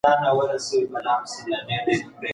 ښوونکی شاګرد ته د هوډ درس ورکوي.